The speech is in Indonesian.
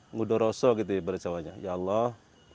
ngudoroso gitu ya bercawanya ya allah